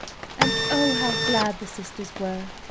And oh, how glad the sisters were!